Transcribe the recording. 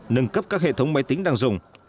nâng cấp các hệ thống máy tính đang dùng